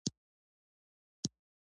کتابونه دريابونه دي